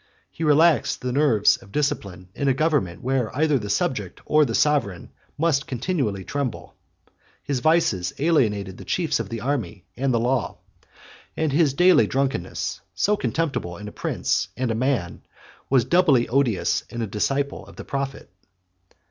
He relaxed the nerves of discipline, in a government where either the subject or the sovereign must continually tremble: his vices alienated the chiefs of the army and the law; and his daily drunkenness, so contemptible in a prince and a man, was doubly odious in a disciple of the prophet.